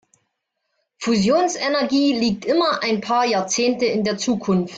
Fusionsenergie liegt immer ein paar Jahrzehnte in der Zukunft.